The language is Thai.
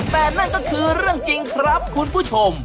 แต่นั่นก็คือเรื่องจริงครับคุณผู้ชม